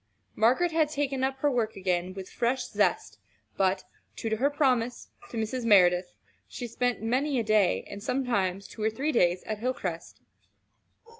Margaret had taken up her work again with fresh zest, but, true to her promise to Mrs. Merideth, she spent many a day, and sometimes two or three days at Hilcrest.